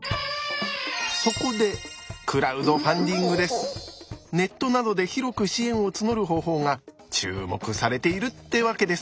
そこでネットなどで広く支援を募る方法が注目されているってわけです。